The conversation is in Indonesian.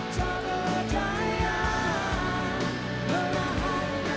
kau katakan padaku